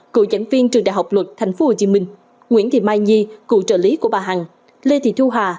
cựu giảng viên trường đại học luật tp hcm nguyễn thị mai nhi cựu trợ lý của bà hằng lê thị thu hà